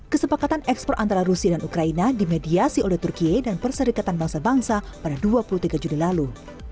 kesepakatan ekspor antara rusia dan ukraina dimediasi oleh turkiye dan perserikatan bangsa bangsa pada dua puluh tiga juli lalu